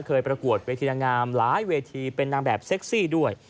ประกวดเวทีนางงามหลายเวทีเป็นนางแบบเซ็กซี่ด้วย